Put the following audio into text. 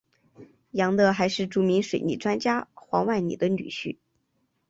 杨乐还是著名水利专家黄万里的女婿。